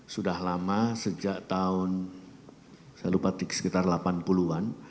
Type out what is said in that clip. sudah lama sejak tahun saya lupa sekitar delapan puluh an